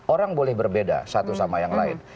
orang boleh berbeda satu sama yang lain